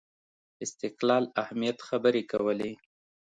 استقلال اهمیت خبرې کولې